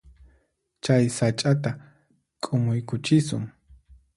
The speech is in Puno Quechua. Chay sach'ata k'umuykuchisun.